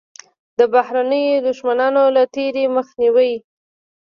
د بهرنیو دښمنانو له تېري مخنیوی.